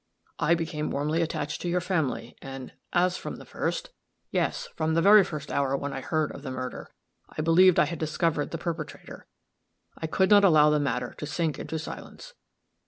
I became warmly attached to your family, and as, from the first yes, from the very first hour when I heard of the murder I believed I had discovered the perpetrator, I could not allow the matter to sink into silence.